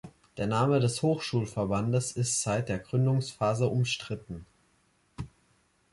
Der Name des Hochschulverbandes ist seit der Gründungsphase umstritten.